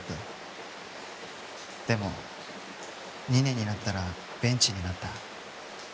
でも２年になったらベンチになった。